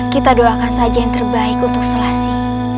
kita doakan saja yang terbaik untuk selasi